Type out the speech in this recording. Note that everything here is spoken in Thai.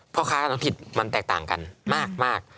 พ่อค้าน้องผิดมันแตกต่างกันมาก